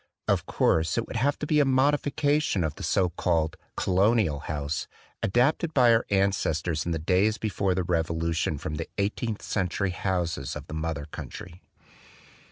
Of course, it would have to be a modification of the so called " Colonial " house, adapted by our ancestors in the days before the Revolution from the eighteenth century houses of the mother country.